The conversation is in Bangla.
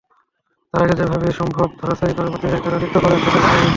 তার আগে যেভাবে সম্ভব ধরাশায়ী করার প্রতিযোগিতায় তাঁরা লিপ্ত হবেন, সেটাই স্বাভাবিক।